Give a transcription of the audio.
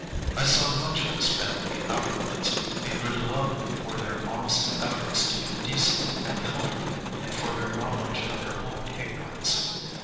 I saw much of this family afterwards, and grew to love them for their honest efforts to be decent and comfortable, and for their knowledge of their own ignorance.